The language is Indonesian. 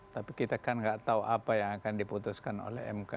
tapi kita kan nggak tahu apa yang akan diputuskan oleh mk